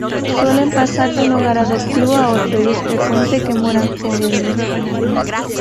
Suelen pasar de un hogar adoptivo a otro y es frecuente que mueran jóvenes.